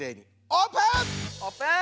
オープン！